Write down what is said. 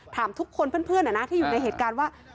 ถามทุกคนเพื่อนที่อยู่ในเหตุการณ์ว่า